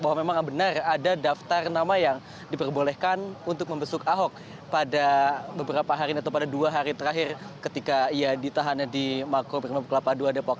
bahwa memang benar ada daftar nama yang diperbolehkan untuk membesuk ahok pada beberapa hari atau pada dua hari terakhir ketika ia ditahannya di mako brimob kelapa dua depok